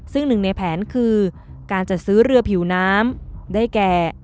ซึ่งหนึ่งในแผนคือการจัดซื้อเรือผิวน้ำได้แก่